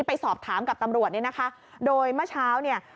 ไปสอบถามกับตำรวจเนี่ยนะคะโดยเมื่อเช้าเนี่ย